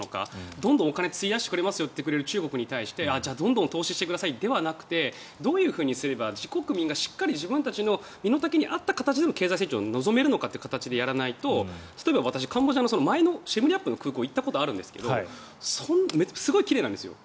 どんどんお金を費やしてくれる中国に対してじゃあどんどん投資してくださいじゃなくてどういうふうにすれば自国民がしっかり自分たちの身の丈に合った経済成長を望めるのかという形でやらないと例えば私、カンボジアの前のシェムリアップの空港に行ったことあるんですがすごい奇麗なんですよ。